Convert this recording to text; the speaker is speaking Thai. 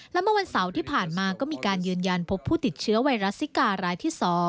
และเมื่อวันเสาร์ที่ผ่านมาก็มีการยืนยันพบผู้ติดเชื้อไวรัสซิการายที่๒